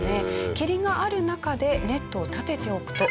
霧がある中でネットを立てておくと。